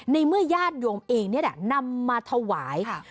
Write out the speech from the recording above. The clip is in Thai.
ในเมื่อยาดโยมเองเนี่ยแหละนำมาถวายครับ